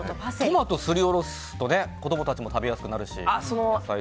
トマトすりおろすと子供たちも食べやすくなるし。